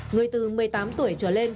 người từ một mươi tám tuổi trở lên